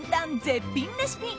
絶品レシピ。